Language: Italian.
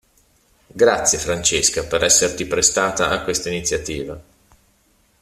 Grazie Francesca per esserti prestata a questa iniziativa.